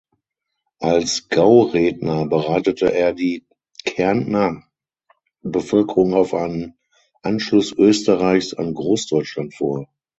Als „Gauredner“ bereitete er die Kärntner Bevölkerung auf einen Anschluss Österreichs an Großdeutschland vor.